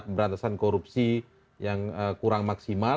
pemberantasan korupsi yang kurang maksimal